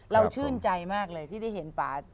ชื่นใจมากเลยที่ได้เห็นป่า